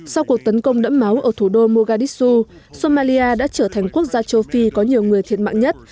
sau cuộc tấn công đẫm máu ở thủ đô mugaditsu somali đã trở thành quốc gia châu phi có nhiều người thiệt mạng nhất